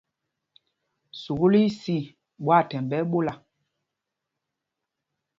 Sukúl í í sî, ɓwâthɛmb ɓɛ́ ɛ́ ɓola.